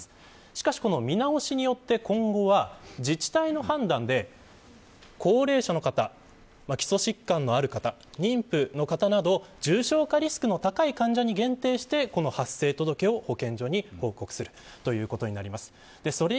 しかしこの見直しによって今後は自治体の判断で高齢者の方、基礎疾患のある方妊婦の方など重症化リスクの高い患者に限定して発生者届けを保健所に報告することになります。